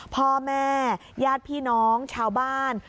พ่อแม่ญาติพี่น้องชาวบ้าน